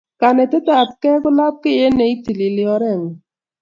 Kanetetapkei ko lapkeiyet ne itilili orengung